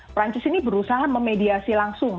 perancis ini berusaha memediasi langsung